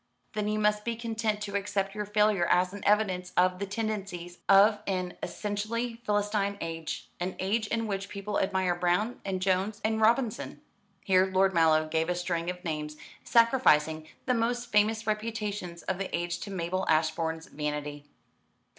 "Then you must be content to accept your failure as an evidence of the tendencies of an essentially Philistine age an age in which people admire Brown, and Jones, and Robinson." Here Lord Mallow gave a string of names, sacrificing the most famous reputations of the age to Mabel Ashbourne's vanity.